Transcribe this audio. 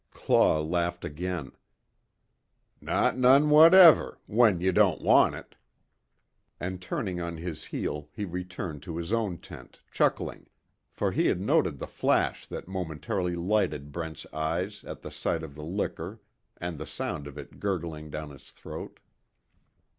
Claw laughed again: "Not none whatever when you don't want it." And turning on his heel, he returned to his own tent, chuckling, for he had noted the flash that momentarily lighted Brent's eyes at the sight of the liquor and the sound of it gurgling down his throat.